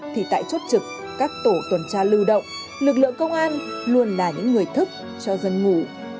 thì tại chốt trực các tổ tuần tra lưu động lực lượng công an luôn là những người thức cho dân ngủ